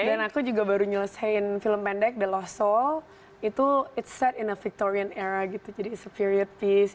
karena aku juga baru nyelesain film pendek the lost soul itu set in a victorian era gitu jadi it's a period piece